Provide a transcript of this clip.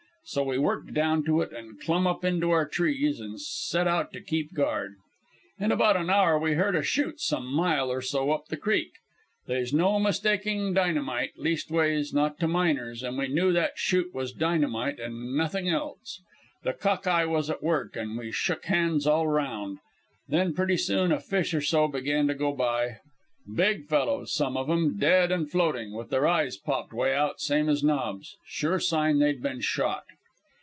So we worked down to it, an' clumb up into our trees, an' set out to keep guard. "In about an hour we heard a shoot some mile or so up the creek. They's no mistaking dynamite, leastways not to miners, an' we knew that shoot was dynamite an' nothing else. The Cock eye was at work, an' we shook hands all round. Then pretty soon a fish or so began to go by big fellows, some of 'em, dead an' floatin', with their eyes popped 'way out same as knobs sure sign they'd been shot.